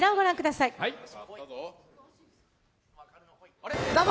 どうも！